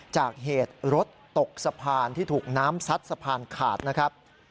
จากเหตุรถตกสะพานที่ถูกน้ำซัดสะพานขาดนะครับ